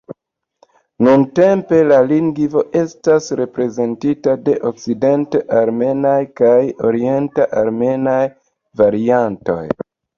Nuntempe, la lingvo estas reprezentita de okcident-armenaj kaj orientaj armenaj variantoj.